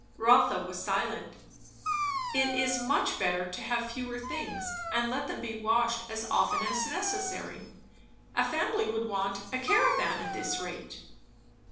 Rotha was silent. "It is much better to have fewer things, and let them be washed as often as necessary. A family would want a caravan at this rate."